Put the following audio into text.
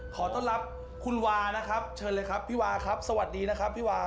ขอต้อนรับคุณวานะครับเชิญเลยครับพี่วาครับสวัสดีนะครับพี่วา